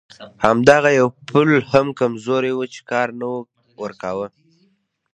همدغه یو پل هم کمزوری و چې کار نه ورکاوه.